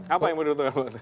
apa yang dia butuhkan